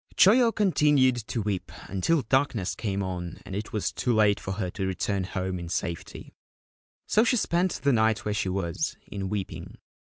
Choyo continued to weep until darkness came on and it was too late for her to return home in safety : so she spent the night where she was, in weeping.